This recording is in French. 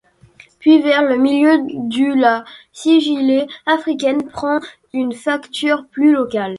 Puis vers le milieu du la sigillée africaine prend une facture plus locale.